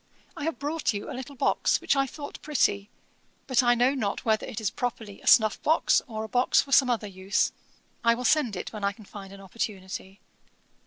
I have brought you a little box, which I thought pretty; but I know not whether it is properly a snuff box, or a box for some other use. I will send it, when I can find an opportunity.